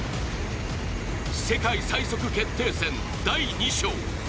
世界最速決定戦第２章。